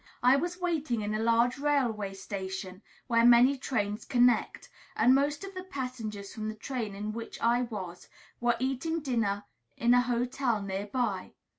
I was waiting in a large railway station, where many trains connect; and most of the passengers from the train in which I was were eating dinner in a hotel near by.